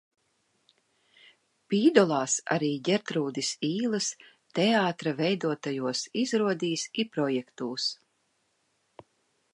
Piedalās arī Ģertrūdes ielas teātra veidotajās izrādēs un projektos.